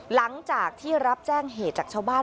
หลังจากที่รับแจ้งเหตุจากชาวบ้าน